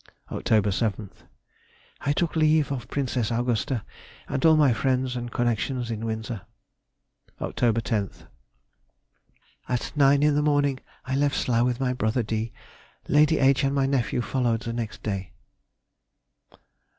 Oct. 7th.—I took leave of Princess Augusta and all my friends and connections in Windsor. Oct. 10th.—At 9 in the morning I left Slough with my brother D. Lady H. and my nephew followed the next day.